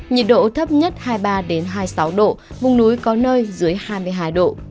nhiệt độ thấp nhất hai mươi ba hai mươi sáu độ vùng núi có nơi dưới hai mươi hai độ